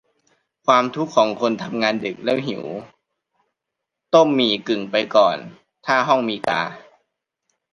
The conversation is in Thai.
ความทุกข์ของคนทำงานดึกแล้วหิว ต้มหมี่กึ่งไปก่อน ถ้าห้องมีกา